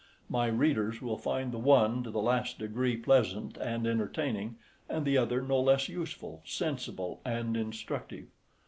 My readers will find the one to the last degree pleasant and entertaining; and the other no less useful, sensible, and instructive.